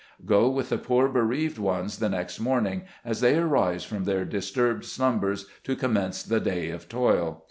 Go with the poor bereaved ones the next morning, as they arise from their disturbed slumbers to commence the day of toil.